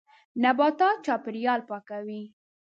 نباتات چاپېریال پاکوي.